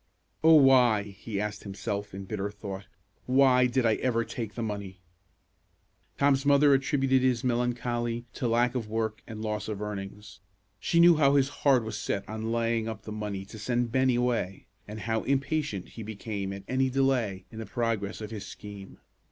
"Oh, why," he asked himself, in bitter thought, "why did I ever take the money?" Tom's mother attributed his melancholy to lack of work and loss of earnings. She knew how his heart was set on laying up money to send Bennie away, and how impatient he became at any delay in the progress of his scheme.